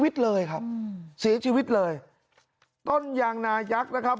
ต้นให้ชีวิตเลยต้นยางนายักษ์นะครับ